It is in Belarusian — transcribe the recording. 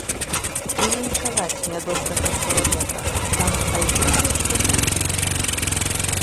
І лінчаваць нядобрага чалавека, а там хай будзе што будзе.